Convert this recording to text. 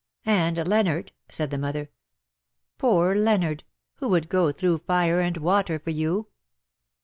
^' "And Leonard/^ said the mother. '^ Poor Leonard, who would go through fire and water for you.'